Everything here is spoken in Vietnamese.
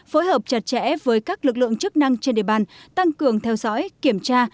phối hợp chặt chẽ với các lực lượng chức năng trên địa bàn tăng cường theo dõi kiểm tra